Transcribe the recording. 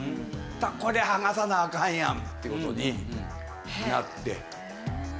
これ剥がさなアカンやん！っていう事になって。